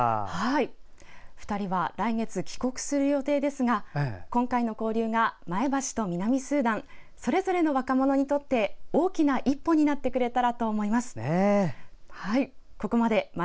２人は来月帰国する予定ですが今回の交流が前橋と南スーダンそれぞれの若者にとって大きな一歩になってくれたらと思います。